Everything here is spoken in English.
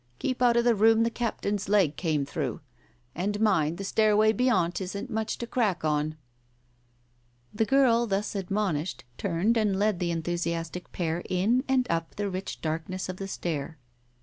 Keep out of the room the captain's leg came through. And mind, the stairway beyont isn't much to crack on." The girl thus admonished, turned and led the en thusiastic pair in and up the rich darkness of the stair.